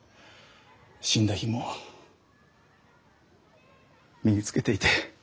死んだ日も身に着けていて。